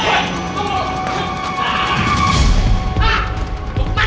ya ampun ya ampun